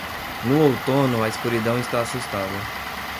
No outono, a escuridão está assustada.